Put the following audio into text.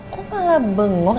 kok malah bengong